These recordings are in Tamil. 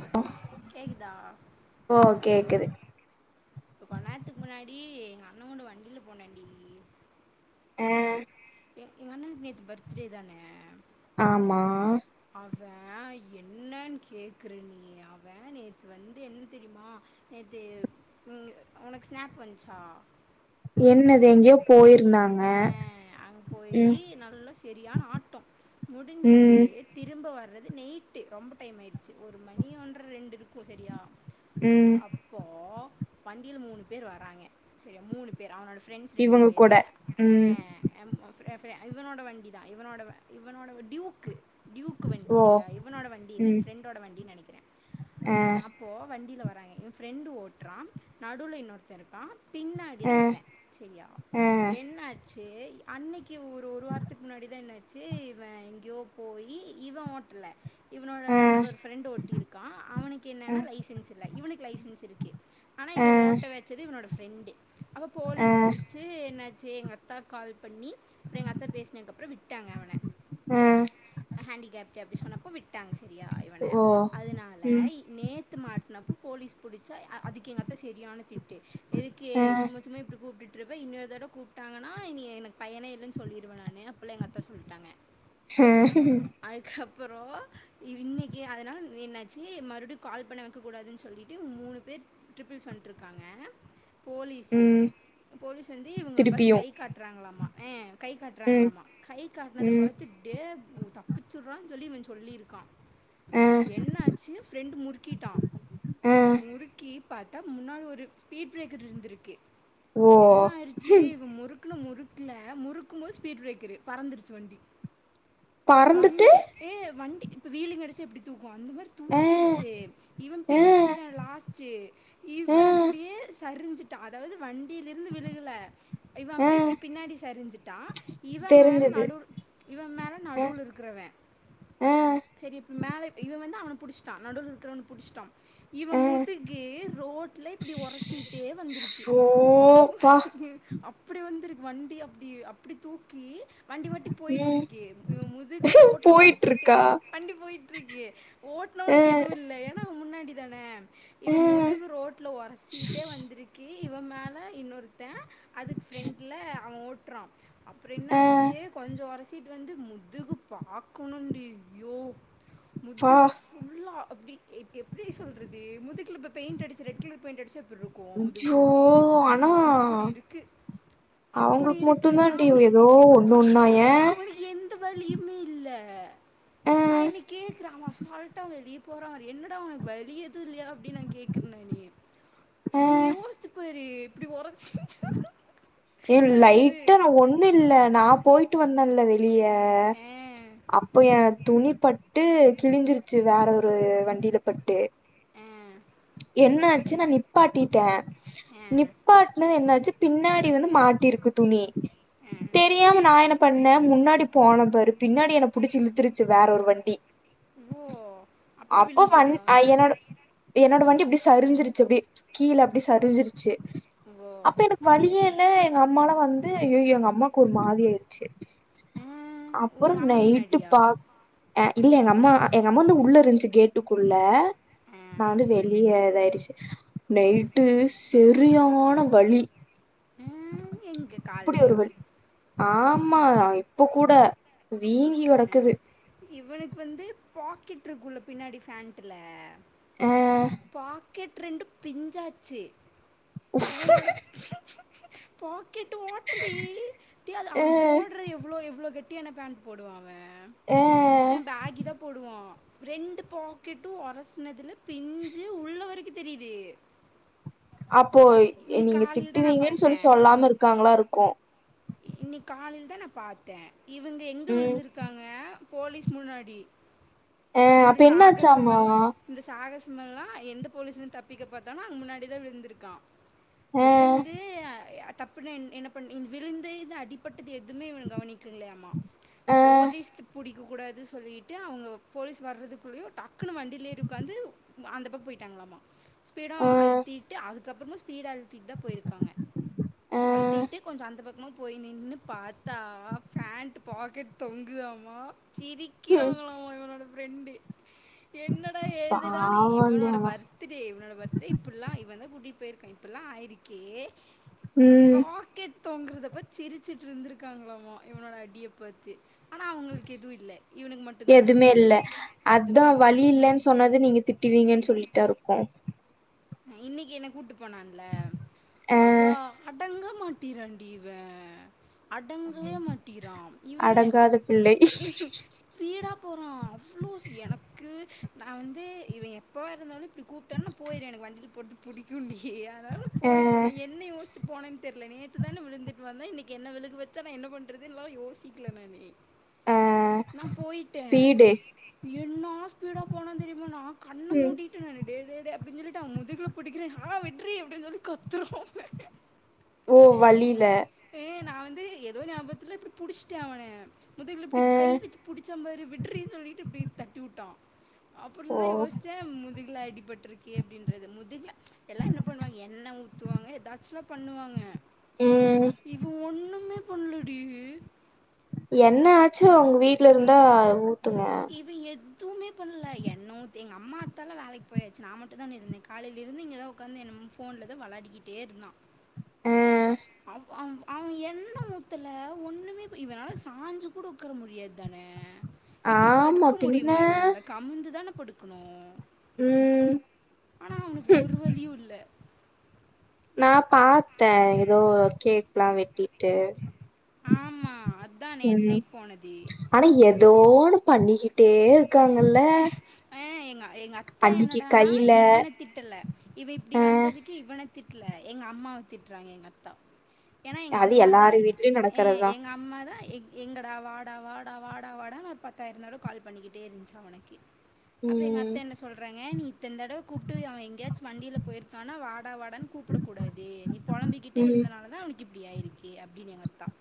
அப்போ கேக்குதா ஓ கேக்குது இப்போ கொண்நேரத்துக்கு முன்னாடி எங்க அண்ணன் கூட வண்டியில போனேண்டி ஆ எ எங்க அண்ணனுக்கு நேத்து பர்த்டே தானே ஆமா அவன் என்னன் கேக்குற நீ அவன் நேத்து வந்து என்ன தெரியுமா நேத்து உம் உனக்கு ஸ்நேப் வஞ்சா என்னது எங்கேயோ போயிருந்தாங் ஆ அங் போயி நல்லா செரியான ஆட்டோ முடிஞ்சுட்டு ம் திரும்ப வர்றது நெய்ட்டு ரொம்ப டைம் ஆயிடுச்சு ஒரு மணி ஒன்ற ரெண்டு இருக்கு செரியா ம் அப்போ வண்டில மூணு பேர் வராங்க சரி மூணு பேர் அவனோ ஃப்ரெண்ட்ஸ் ரெண்டு இவங்க பேரு கூட ம் அம் ப்ர ப்ர இவனோட வண்டி தா இவனோட இவனோட டியூக்கு டியூக்கு வண்டி ஓ சரியா இவனோட வண்டி இல்ல ஏ ம் ஃப்ரெண்டோட வண்டின் நனைக்கிற ஆ ப்போ வண்டில வராங்க இவ ஃப்ரெண்டு ஓட்றா நடுவுல இன்னொருத இருக்கா பின்னாடிதா ஆ இவ செறியா ஆ என்ன ஆச் சே அன்னதுகி ஒரு ஒரு வாரத்துக்கு முன்னாடி தா என்னாச்சி இவ எங்யோ போயி இவ ஒ இல்ல இவனோட ஆ வேற ஒரு ஃப்ரெண்ட் ஓட்டி இருக்கா அவனுக்கு ஆ என்னன்னா லைசன்ஸ் இல்ல இவனுக்கு லைசன்ஸ் இருக்கு ஆனா ஆ இவ ஓட்ட வைச்சது இவனோட ஃப்ரெண்டு அப்போ ஆ போலீஸ் ச்சீ என்ன ஆச்சி எங்க அத்தாக் கால் பண்ணி அப்பற எங்க அத்த பேசுனதுக் அப்புற விட்டாங்க அவன ஆ ஹேண்டிகேப்ட் அப்டி சொன்னப்போ விட்டாங்க சரியா இவன ஓ அதனால ம் நேத்து மாட்டனப்போ போலீஸ் புடிச்சா அதுக்கு எங்கத்த சரியான திட்டு எதுக்கே ஆ சும்மா சும்மா இப்டி கூப் விட்ருவ இன்னொரு தடவ கூப்ட்டாங்கனா இனி எனக் பையனே இல்லன் சொல்லிருவ நானு அப்லா எங்க அத்த சொல்டாங்க ஹ அதுக்கப்புரோ இன்னக்கி அதனால் என்னாச்சி மறுபடியு கால் பண்ண வைக்கக்கூடாதுன் சொல்லி அப்டி மூணு பேர் ட்ரிபிள்ஸ் வட்ருக்காங்க போலீஸு ம் போலீஸ் வந்து இவங்கள பார்த்து திருப்பியு கை காட்டுறாங்ளாமா ஹ கை ம் காட்டுறாங்ளாமா கை காட்னத ம் பாத்து அப்டியே தப்பிச்சிட்றா சொல்லி இவ சொல்லியிருக்கா ஆ என்னாச்சி ஃரெண்ட் முறுக்கிட்டா ஆ முறுக்கி பாத்தா முன்னாள் ஒரு ஸ்பீட் பிரேக்கர் இருந்திருக்கு ஓ என்ன ஆயிருச்சி ஹம், இவ முறுக் முறுக்குன முறுக்குல முறுக்கு போது ஸ்பீட் பிரேக்கரு பறந்துருச்சி வண்டி பறந்துட்டு வண்டி ஏ வண்டி இப்போ வீலங்க கடச்சா எப்டி தூக்கு அந்த மாரி ஆ தூக்கிருச்சி இவன் ஆ பின்னாடி தா லாஸ்ட் சீ இவ ஆ அப்டியே சரிஞ்சிட்டா அதாவது வண்டிலயே ந்து விழுகல இவ ஆ அப்டியே இப்டி பின்னாடி சரிஞ்சிட்டா இவ மேல தெரிஞ்சது நடுவ் இவ மேல ஆ நடுவுல ருக் க்ரவ ஆ சரி இப்ப மேல இவ வந்து அவன புடிச்டா நடுவுல இருகரவண புடிச்டா இவ ஆ முதுகு ரோட்டில இப்டி உரசிட்டே வந்துருக்கு ஓ பா அப்டி வந்துருக்கு வண்டி அப்டி அப்டி தூக்கி வண்டி வட்டி ம் போயிட்ருக்கு இவ முதுகு ரோட்ல உரசீட்டு போயிட்ருக்கா வண்டி போயிட்ருக்கு அ ஓட்னவனுக்கு எதுவு இல்ல ஏனா அவ முன்னாடி தான அ இவன் மு முதுகு ரோடல ஒரசீட்டே வந்துருக்கு இவ மேல இன்னொருத்த அதுக்கு ஃப்ரெண்ல் அவ ஓட்றா அப்புற அ என்னாச்சி கொஞ்ச உரசிட் வந்து முதுகு பாக்கணுன்டி ஐயோ பா முதுகு ஃபுல்லா அப்டி எப்டி சொல்றது முதுகுல இப்ப பெயிண்ட் அடிச்சா ரெட் கலர் பெயிண்ட் அடிச்சா எப்ருக்கு முதுகு ஐயோ ஃபுல்லா ஆனா அப்டி இருக்கு அப்டி அவங்களுக்கு இருக்கு மட்டுந்தான்டி அவனுக் ஏதோ ஒண்ணு ஒன்னா ஏ அவனுக் எந்த வேலயுமே இல்ல அ நா இனி கேக்கற அசால்ட் ட்டா வெளிய போறா என்னடா உனக் வெளியது இல்லையா அப்டின் நா கேக்குற நானே அ நீ யோச்சி பாரு இப்டி உரசி ஏ லைட்டா நா ஒன் இன்னு இல்ல நா போய்ட்டு வந்தல்ல வெளிய ஆ அப்ப ஏ துணி பட் ட்டு கிழிஞ்சிருச்சி வேற ஒரு வண்டில பட்டு ஆ என்னாச்சு நா நிப்பாட்டிட்ட ஆ நிப்பாட்டினது என்னாச்சு பின்னாடி வந்து மாட்டிருக்கு துணி ஆ தெரி தெரியாம நா என்ன பண்ணே முன்னாடி போன பாரு பின்னாடி என புடிச்சி இழுத்துருச்சு வேற ஒரு வண்டி ஓ அப்புறம் அப்ப விழுந்தியா வன் அ என்னோட என்னோட வண்டி இப்டி சரிஞ்சிருச்சு அப்டி கீழ அப்டி சரிஞ்சிருச்சு ஓ அப்ப எனக்கு வழியே இல்ல எங்க அம்மாலா வந்து அயொ எங்க அம்மாக்கு ஒரு மாரி ஆயிச்சு ஆ, அப்பற உங்க அம்மா நைட்டு முன்னாடியா பா அ இல்ல எங்க அம்மா எங்க அம்மா வந்து உள்ள இருன்ச்சு கேட்டுக்குள்ள ஆ, நா வந்து வெளியே இதாயிடுச்சு ஆ, நைட்டு செரியான வலி ம் எங்க அப்டி கால்லையா ஒருவல் ஆமா இப்போ கூட வீங்கி ஆ, கெடக்குது இவனுக்கு வந்து பாக்கெட் இருக்குல பின்னாடி ஃபேண்ட்டுல ஆ பாக்கெட் ரெண்டு பிஞ்சாச்சு உஃப் இவனோட பாக்கெட்டு ஓட்டடி ஏ அத அ அவ போட்ற எவ்ளோ எவ்ளோ கெட் ட்டியான பேண்ட் போடுவா அவ அ பேகி தா போடுவா ரெண்டு பாக்கெட்டு ஒரசினதில பிஞ்சு உள்ளவருக்கு தெரியுது அப்போ இன்னைக்கு நீங்க காலையில் தான் நான் திட்டுவீங்கன் சொல்லி பார்த்தேன் சொல்லாம இருக்காங்களா இருக்கு இனிக் காலில தா நா பாத்தே இவங்க எங்க ம் விழுந்துருக்காங்க போலீஸ் முன்னாடி ஆ இந்த அப்ப என்னாச்சாமா சாகசமெல்லா இந்த சாகசமெல்லா எந்த போலீஸுலருந்து தப்பிக்க பாத்தானொ அங்க முன்னாடிதா விழுந்திருக்கா ஆ விழுந்து தப்புன்ன என்ன என்ன பண்ண விழுந்த இது அடிப் பட்டது எதுமே இவ கவனிக்கு இல்லையாம்மா ஆ போலீஸ் புடிக்க கூடாதுன் சொல்லிட்டு அவங்க போலீஸ் வர்றதுக்குள்ளயோ டக்குன்னு வண்டியில ஏரி உக்காந்து அந்தப்பக்க போய்ட்டாங்களாமா ஸ்பீடா ஆ அழுத்திட்டு அதுக்கப்புறமா ஸ்பீடு அழுத்திட்டு தா போயிருக்காங்க ஆ அழுத்திட்டு கொஞ்ச அந்த பக்கமு போய் நின்னு பாத் தா ஃபேண்ட்டு பாக்கெட் தொங்குதாமா ம் சிரிக்கிறாங்களாமா இவனோட ஃப்ரெண்டு என்னடா ஏதிடானு பாவண்டி இவனோட ஆனா பர்த் பர்த்டே இவனோட பர்த்டே இப்பில்லா இவந்தா கூட்டிட்டு போயிருக்கா இப்பல்லா ஆயிருக்கே ம் க்கெட் தொங்கறதப் பாத் சிரிச்சுட்டு இருந்திருக்காங்களாமா இவனோட அடிய பாத்து ஆனா அவங்களுக்கு எதுவு இல்ல இவனுக் மட்டுந்தா இப்டி எதுமே ஒரு இல்ல அ அதா வலி இல்லன் சொன்னத நீங்க திட்டுவீங்கன் சொல்ட்டா இருக்கு இன்னிக்கு என்ன கூட்டு போனான்ல ஆ பல்லா அடங்கவே மாட் ட்டிராண்டி இவ அடங்கவே மாட்டிறா இவ அடங்காத பிள்ளை ஸ் ஸ்பீடா போறா அவ்ளோ எனக்கு நா வந்து இவ எப்ப இருந்தாலு இப்டி கூப்ட்டா நா போயிர்வே எனக்கு வண்டில பொறது புடிக்குன்டி அதனால ஆ போயிடுவே ந என்ன யோசி போனேன் தெர்ல நேத்து தான விழுந்துட்டு வந்தே இனிக்கு என விழுக வச்சா நா என்ன பண்றதுன்ல்லா யோசிக்கல நானு ஆ நா போயிட்டே ஸ்பீடு என்னா ஸ்பீடா போனா தெரியுமா நான் கண்ணு ம் மூடி ட்டு டே டே டே அப்டின் சொல்லிட் ட முதுகுல பிடிக்கிறே ஆ விட்றி அப்டின் சொல்லி கத்துறா அவ ஓ வலில ம் நா வந்து ஏதோ ஞாபத்துல இப்டி புடிச்ட்டே அவன இப்டி ஆ கை வச்சு புடிச்சான் பாரு விட்ரி சொல்லிட்டு இப்டி தட்டி விட்டா அப்றோ ஓ தா யோஸ்ச்ச முதுகுல அடிபட்டுருக்கே அப்டின்றது முதுகுல எல்லா என்ன பண்ணுவாங்க எண்ண ஊத்துவாங்க எதாச்சுல்லா பண்ணுவாங்க ம் இவ ஒண்ணுமே பண்லடி என்னயாச்சு அவுங்க வீட்ல இருந்தா ஊத்துங்க இவ எதுமே பண்ணல எண்ண ஊத் எங்க அம்மா அத்தாலா வேலைக்கு போயாச்சு நா மட்டு தானே இருந்தே காலையிலருந்து இங்க தா உக்காந்து என்னுமோ ஃபோனுல தா விளயாடிக்கிட்டே இருந்தா ஆ அவ அவன் எண்ண ஊத்துல ஒண்ணுமே பண் இவன் சாஞ்சு கூட உக்கார முடியாது தானே இப்டி ஆமா படுக்க பின்ன முடியுமா இவனால கமுந்து தான படுக்குணு ம் ஆனா அவனுக்கு ஒரு வலியு இல்ல நா பாத்த ஏதோ கேக்ல்லா வெட்டிட்டு ஆம்மா அதா நேத் ம் நைட் போனது ஆனா ஏதோ ஒண்ணு பண்ணிக்கிட்டே இருக்காங்கள்ள ஆ எங்க எங்க அத்த என்னடானா கையில இவன திட்டல இவன் இப்டி ஆ வந்ததுக்கு இவன திட்ல எங்க அம்மாவ திட்டுறாங்க எங்க அத்தா ஏனா எங்க அது அம்மா தா எல்லாரு வீட்லயு ஏ நடக்கறதுதா எங்க அம்மா தான் எ எங்கடா வாடா வாடா வாடா வாடா ஒரு பத்தாயிரோந்தடவ கால் பண்ணிக்கிட்டே இருந்துச்சு அவனுக்கு அப்ப எங்க ம் அத்த என்ன சொல்றாங்க நீ இத்த தடவ கூப்ட்டு அவன் எங்கயா ச்சு வண்டியில போயிருக்கானா வாடா வாடனு கூப்பிடக் கூடாது நீ பொளம்பிக்கிட்டே ம் இருந்தனால தா அவனுக் இப்டி அயிருக்கே அப்டின்னு எங்க அத்தான்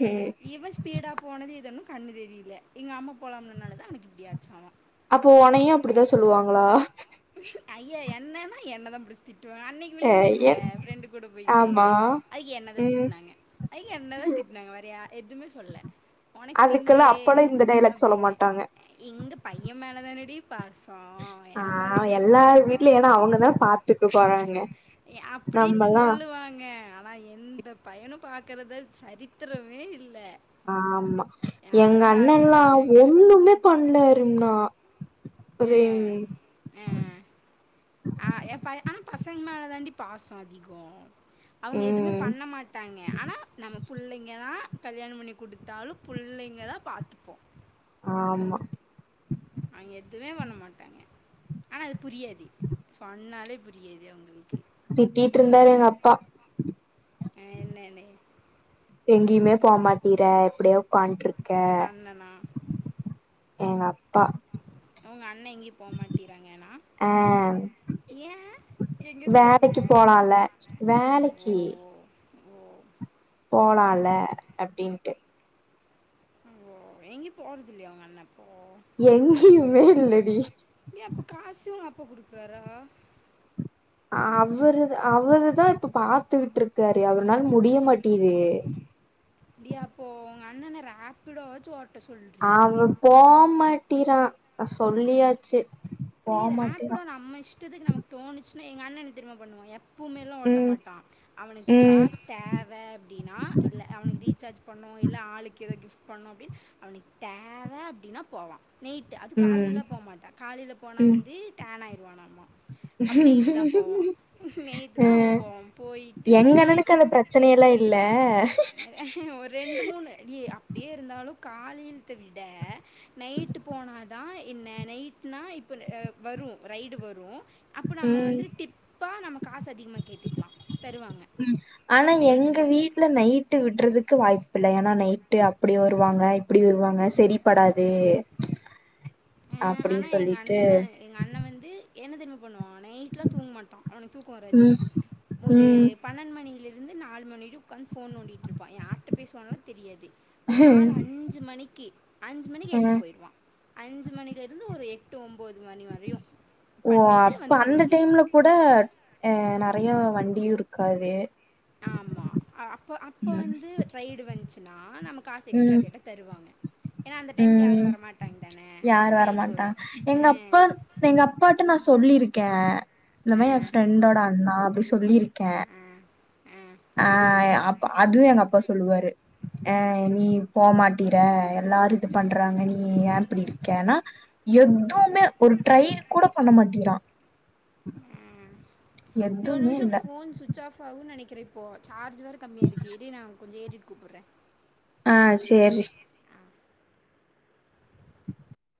ம் இவன் ஸ்பீடா போனது இது ஒன்னு கண்ணு தெரியில எங்க அம்மா பொளம்னுனாலதா அவனுக்கு இப்டியாச்சாமா அப்போ ஒனையு அப்டித்தா சொல்லுவாங்ளா ஐயே என்னன்னா என்ன தா பிடிச்சி திட்டுவா அன்னைக் ஏ விழுந்தேன்ல ஏ ஃப்ரெண்டு கூட போயிட்டு ஆமா அதுக்கு என்ன தா ம் திட்னாங்க அதுக்கு என்னதா திட்னாங்க வேற யார் எதுமே சொல்ல ஒனக்கு அதுக்கெல்லா திமிரே அப்பல்லா இந்த டைலாக் சொல்ல அப்டின்னு மாட்டாங்க இங்க பைய மேலதானடி பாசோ ஆ ஏ மேல எங்கடி எல்லார் பாசோ வீட்ல ஏன்னா அவங்கதா பாத்துக்க போறாங்க அப்டின்னு நம்மல்லா சொல்லுவாங்க ஆனா எந் த பையனு பாக்குறத சரித்திரமே இல்ல ஆமா எங்க அண்ணெல்லா மாட்டாங்க ஒண் வேணனே பண்ணலருணா frame a ah A by ஆனா பசங்க மேலே தாண்டி பாசோ அதிகோ அவுங்க எதுமே ம் பண்ண மாட்டாங்க ஆனா நம்ம புள்ளைங்க தா கல்யாணோ பண்ணி குடுத்தாலு புள்ளைங்க தா பாத்துப்போ ஆமா அவிங்க எதுமே பண்ண மாட்டாய்ங்க ஆனா அது புரியாது சொன்னாலே புரியேது அவுங்களுக்கு திட்டிட்டுருந்தாரு எங்க அப்பா அ என்னான்னு எங்கியுமே போமாட்டிற இப்டியே உட்கான்ட்டுருக்க உங்கள் அண்ணனா எங்க அப்பா உங்க அண்ண எங்கியு போமாட்டிறாங்கனா அ எங்கேயாச்சும் வேலைக்கு போகணுமா போலால்ல வேலைக்கி ம் போலால அப்டின்ட்டு ஓ எங்கியு போறது இல்லயா உங்க அண்ண இப்போ எங்கயுமே இல்லடி ஏ அப்போ காசு உங்க அப்பா குடுக்குறாரா அவரு அவருதா இப்ப பாத்துக்கிட்ருக்காரு அவர்னால முடிய மாட்டிங்குது அப்டியா அப்போ உங்க அண்ணன ராப்பிடோ வாச்சு ஓட் அவே போமாட்டேங்றா சொல்லியாச்சு நீ போமாட்டீறா ரப்டோ நம்ம இஷ்டத்துக்கு நமக்கு தோணுச்சுன்னா எங்க அண்ண என்ன தெரியுமா பண்ணுவா எப்பமேலா ஓட்ட ம் மாட்டா அவனுக் ம் காசு தேவ அப்டின்னா இல்ல அவனுக்கு ரீசார்ஜ் பண்ணணு இல்ல ஆளுக்கு ஏதோ கிஃப்ட் பண்ணணு அப்டின்னு அவனுக்கு தேவ அப்டின்னா போவா நீ அது ம் காலிலல்லா போமாட்டா காலில போனா ம் வந்து டேன் ஆயிரவானாம்மா அப்ப நைட் தான் போவா நெய்ட்டு அ தா போவா போயிட்டு எங்க நைட்டு அண்ணனுக்கு அந்த பிரச்சனை எல்லா இல்ல ரெண்டு மூணு அப்டியே இருந்தாலு காலையில்த்த விட நைட் போனா தா என்ன நைட் னா இப்ப வரு ரைடு வரும் அப்போ நம்ம ம் வந்துட்டு டிப்பா நம்ம காசு அதிகமாக கேட்டுக்கலா தருவாங்க ம். ஆனா எங்க நைட்டுனால. வீட் ல நைட் நைட்டு விட்றதுக்கு வாய்பில்ல ஏனா நைட்டு அப்டி வருவாங்க இப்டி வருவாங்க சரிப்படாது ஆ அப்படி அவ எங்க சொல்லிட்டு அண்ணன எங்க அண்ண வந்து என்ன தெர்மா பண்ணுவா நைட்ல தூங்க மாட்டா அவனுக்கு தூக்கோ வராது ம், ஒரு ம். பன்னெண்டு மணிலருந்து நாலு மணி வரை உக்காந்து ஃபோன் நோண்டிட்டுருப்பா ஆனா யார்ட்ட பேசுவாான்லா தெரியாது ஒரு நாலு அஞ்சு மணிக்கு அஞ்சு மணிக்கு அ. எஞ்சு போயிருவா அஞ்சு மணில இருந்து ஒரு எட் எட்டு ஒம்போது மணி வரையு பண்ணிட்டு வந்து தூங்கிருவா இப்ப கூட அ நெறய வண்டியு இருக்காது ஆமா அப்ப அப்ப ம், வந்து டிரைடு வந்ச்சுனா நம்ம காசு எக்ஸ்ட்ரா ம், கேட்டா தருவாங்க ஏன்னா அந்த டைம்க்கு யாரும் ம் வரமாட்டாங்க தானே! அப்ப யார் ரைடு வரமாட்டா வரும். அ, எங்க அப்பா எங்க அப்பாட்ட நா சொல்லிருக் க இந்த மாரி என் ஃப்ரெண்டோட அண்ணா அப்டி சொல்லிருக்க ம் ம் அ அப்ப அதுவு எங்க அப்பா சொல்லுவாரு அ நீ போமாட்டிற எல்லாரு இது பண்றாங்க நீ ஏ இப்டி இருக்கனா எதுமே ஒரு ட்ரை கூட பண்ண மாட்டிறா ம் எதுவுமே ஏதாச்சு இல்ல. ஃபோன் சுச் சுச் ஆஃப் ஆகுன் நெனைகிற இப்போ சார்ஜ் வேர கம்மியாருக்கு இரு நான் கொஞ்சோ ஏதிட்டு கூப்புறே ஆ சேரி [inaudible]